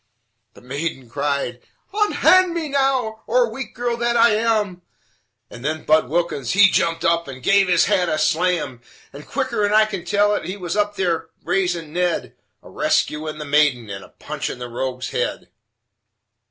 The maiden cried: "Unhand me now, or, weak girl that I am " And then Budd Wilkins he jumped up and give his hat a slam, And, quicker'n I can tell it he was up there raisin' Ned, A rescuin' the maiden and a punchin' the rogue's head.